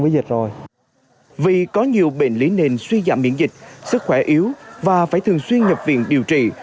vì có nhiều bệnh lý nền suy giảm miễn dịch sức khỏe yếu và phải thường xuyên nhập viện điều trị